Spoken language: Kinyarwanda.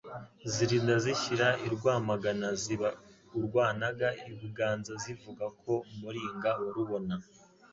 Zirinda zishyira i RwamaganaZiba urwanaga i BuganzaZivuga ku Muringa wa Rubona